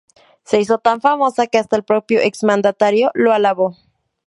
Se hizo tan famosa que hasta el propio ex mandatario lo alabó.